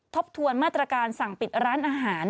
ทบทวนมาตรการสั่งปิดร้านอาหาร